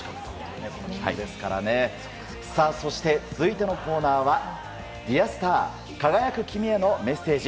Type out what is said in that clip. そして、続いてのコーナーは「Ｄｅａｒｓｔａｒ輝く君へのメッセージ」。